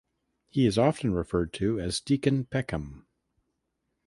He is often referred to as Deacon Peckham.